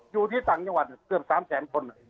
อยู่ที่ต่างจังหวัดเกือบ๓แสนคน